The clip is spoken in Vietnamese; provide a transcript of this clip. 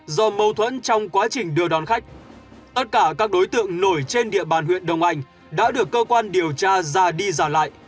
do mâu thuẫn trong quá trình đưa đón khách tất cả các đối tượng nổi trên địa bàn huyện đông anh đã được cơ quan điều tra ra đi giả lại